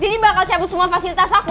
bakal cabut semua fasilitas aku